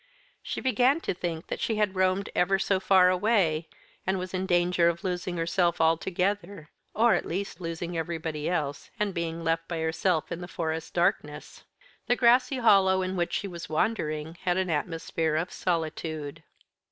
She began to think that she had roamed ever so far away, and was in danger of losing herself altogether, or at least losing everybody else, and being left by herself in the forest darkness. The grassy hollow in which she was wandering had an atmosphere of solitude.